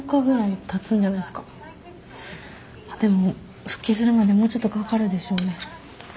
でも復帰するまでもうちょっとかかるでしょうね。